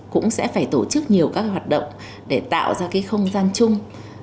cũng sẽ phải tổ chức nhiều các hoạt động để tạo ra cái không gian chung